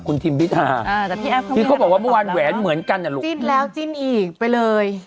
กับจิ้มพิษหาที่เขาบอกว่าเมื่อวานแหวนเหมือนกันน่ะลูกจี้นแล้วจี้นอีกไปเลย